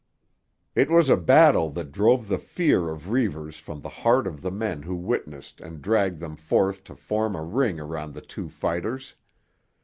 It was a battle that drove the fear of Reivers from the heart of the men who witnessed and dragged them forth to form a ring around the two fighters.